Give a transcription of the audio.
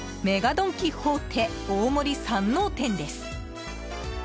ドン・キホーテ大森山王店です。